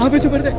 apa itu pak arte